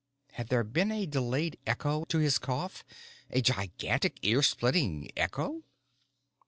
Had there been a delayed echo to his cough, a gigantic, ear splitting echo?